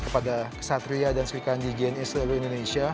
kepada kesatria dan sekalian di jna seluruh indonesia